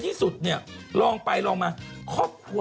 พี่ปุ้ยลูกโตแล้ว